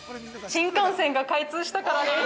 ◆新幹線が開通したからです。